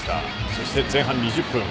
そして前半２０分。